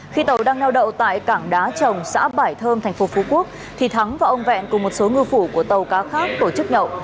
khi tàu đang neo đậu tại cảng đá trồng xã bảy thơm thành phố phú quốc thì thắng và ông vẹn cùng một số ngư phủ của tàu cá khác tổ chức nhậu